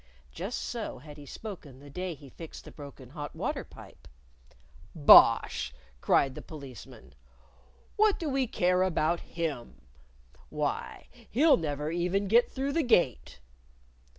(Just so had he spoken the day he fixed the broken hot water pipe.) "Bosh!" cried the Policeman. "What do we care about him! Why, he'll never even get through the Gate!"